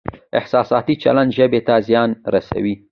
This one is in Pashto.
احساساتي چلند ژبې ته زیان رسوي.